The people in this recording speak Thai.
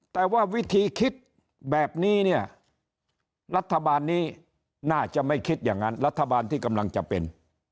แต่ว่าวิธีคิดแบบนี้เนี่ยรัฐบาลนี้น่าจะไม่คิดอย่างนั้นรัฐบาลที่กำลังจะเป็น